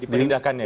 di penindakannya ya